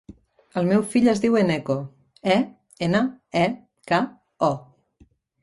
El meu fill es diu Eneko: e, ena, e, ca, o.